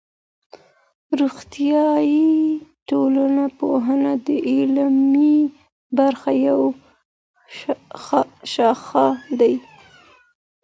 روغتیایی ټولنپوهنه د عملي برخې یو ښاخ دی.